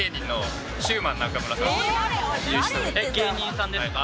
芸人さんですか？